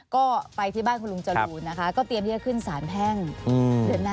ก็ไปที่บ้านคุณลุงจรูนนะคะก็เตรียมที่จะขึ้นสารแพ่งเดือนหน้า